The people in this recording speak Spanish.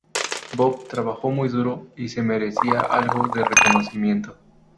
Bob trabajó muy duro y se merecía algo de reconocimiento.